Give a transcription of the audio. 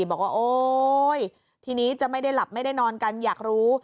บอกว่าโอ๊ยทีนี้จะไม่ได้หลับไม่ได้นอนกันอยากรู้